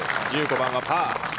１５番はパー。